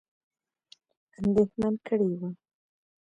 اندېښمن کړي وه.